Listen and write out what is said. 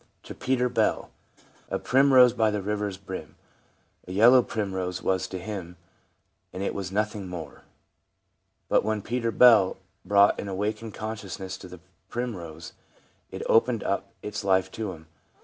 To Peter Bell 1 A primrose by the river's brim A yellow primrose was to him, And it was nothing more '; but when Peter Bell brought an awakened conscious ness to the primrose it opened up its life to him.